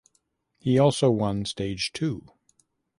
He also won stage two.